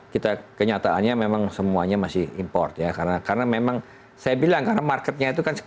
kita kenyataannya memang semuanya masih import ya karena memang saya bilang karena marketnya itu kan